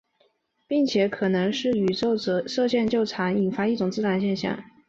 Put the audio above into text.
并且也很可能会是宇宙射线就常常引发的一种自然现象。